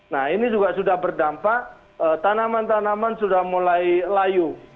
nah ini juga sudah berdampak tanaman tanaman sudah mulai layu